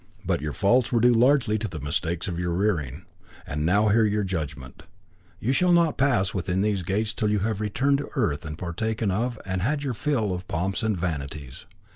But your faults were due largely to the mistakes of your rearing. And now hear your judgment. You shall not pass within these gates till you have returned to earth and partaken of and had your fill of its pomps and vanities.